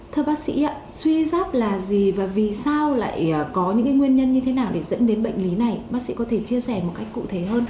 thưa bác sĩ ạ suy giáp là gì và vì sao lại có những nguyên nhân như thế nào để dẫn đến bệnh lý này bác sĩ có thể chia sẻ một cách cụ thể hơn